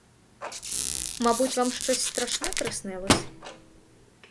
Мабуть, вам щось страшне приснилось?